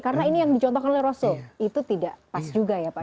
karena ini yang dicontohkan oleh rasul itu tidak pas juga ya pakai